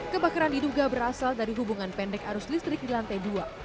kebakaran diduga berasal dari hubungan pendek arus listrik di lantai dua